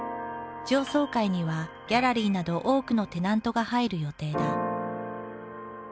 上層階にはギャラリーなど多くのテナントが入る予定だ。